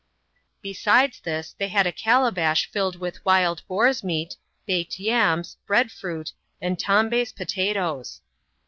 Besides this, thej had a calabash filled with wild boar's meat, baked yams, bread fruit, and Tombez pota toes.